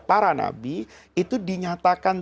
para nabi itu dinyatakan